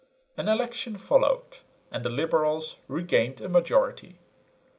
An election followed, and the liberals regained a majority.